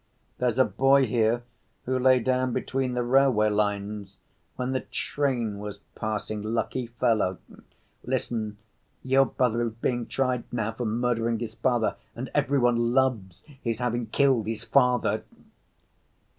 There's a boy here, who lay down between the railway lines when the train was passing. Lucky fellow! Listen, your brother is being tried now for murdering his father and every one loves his having killed his father."